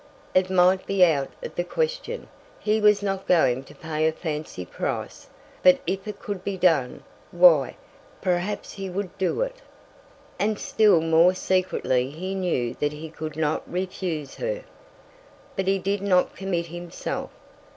It might be out of the question; he was not going to pay a fancy price, but if it could be done, why, perhaps he would do it! And still more secretly he knew that he could not refuse her. But he did not commit himself.